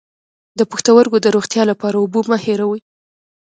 د پښتورګو د روغتیا لپاره اوبه مه هیروئ